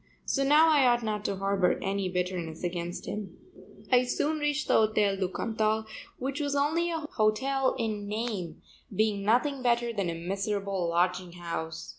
So now I ought not to harbor any bitterness against him. I soon reached the Hotel du Cantal which was only a hotel in name, being nothing better than a miserable lodging house.